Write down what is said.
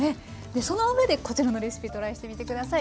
その上でこちらのレシピトライしてみて下さい。